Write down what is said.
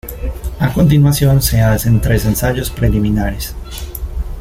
A continuación se hacen tres ensayos preliminares.